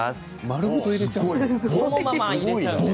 丸ごと入れちゃうの？